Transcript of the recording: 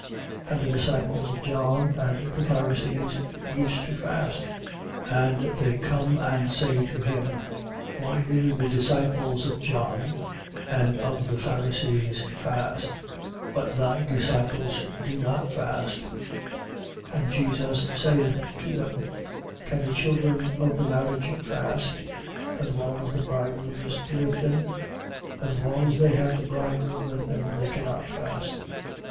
And the disciples of John and the Pharisees used to fast. And they come and say to him: Why do the disciples of John and of the Pharisees fast; but thy disciples do not fast? 2:19. And Jesus saith to them: Can the children of the marriage fast, as long as the bridegroom is with them? As long as they have the bridegroom with them, they cannot fast. 2:20.